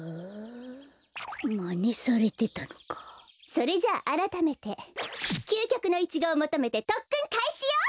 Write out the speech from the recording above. それじゃああらためてきゅうきょくのイチゴをもとめてとっくんかいしよ！